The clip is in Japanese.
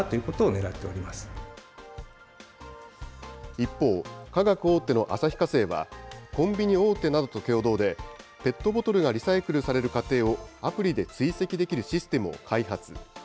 一方、化学大手の旭化成は、コンビニ大手などと共同で、ペットボトルがリサイクルされる過程をアプリで追跡できるシステムを開発。